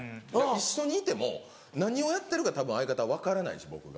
一緒にいても何をやってるかたぶん相方分からないし僕が。